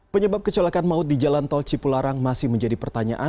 penyebab kecelakaan maut di jalan tol cipularang masih menjadi pertanyaan